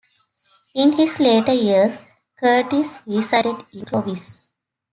In his later years, Curtis resided in Clovis.